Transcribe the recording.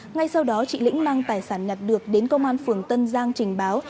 ngay sau đó chị lĩnh mang tài sản nhặt được đến công an phường tân giang trình báo